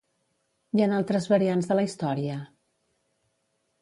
I en altres variants de la història?